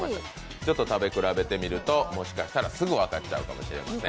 ちょっと食べ比べてみるともしかしたらすぐ分かっちゃうかもしれません。